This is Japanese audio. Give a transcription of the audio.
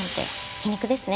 皮肉ですね。